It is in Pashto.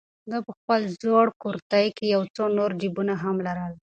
ده په خپل زوړ کورتۍ کې یو څو نور جېبونه هم لرل.